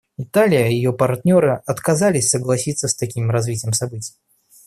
Италия и ее партнеры отказались согласиться с таким развитием событий.